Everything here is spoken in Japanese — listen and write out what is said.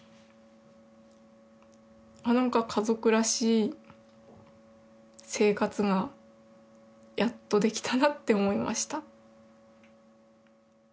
なんか家族らしい生活がやっとできたなって思いました。